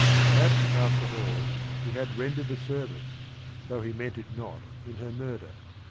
Perhaps, after all, he had rendered a service, though he meant it not, in her murder.